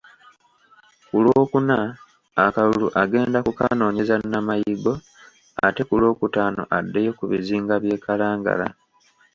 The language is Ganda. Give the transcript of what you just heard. Ku Lwookuna akalulu agenda kukanoonyeza Namayigo ate ku Lwookutaano addeyo ku bizinga by'e Kalangala.